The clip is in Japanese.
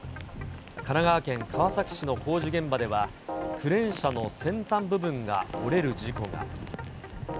神奈川県川崎市の工事現場では、クレーン車の先端部分が折れる事故が。